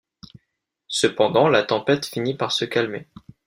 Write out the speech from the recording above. Cependant, la tempête finit par se calmer.